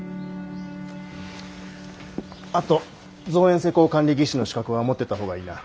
あと造園施工管理技士の資格は持ってた方がいいな。